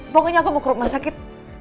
pokoknya aku mau ke rumah sakit